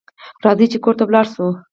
راځئ چې کور ته ولاړ شو